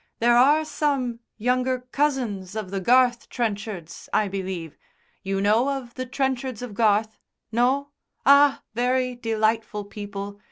There are some younger cousins of the Garth Trenchards, I believe. You know of the Trenchards of Garth? No? Ah, very delightful people.